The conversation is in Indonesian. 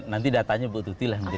nanti datanya bukti bukti lah